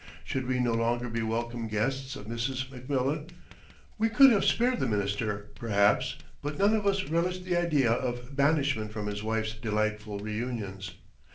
Should we no longer be welcome guests of Mrs. McMillan? We could have spared the minister, perhaps, but none of us relished the idea of banishment from his wife's delightful reunions.